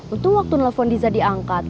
untung waktu nelfon diza diangkat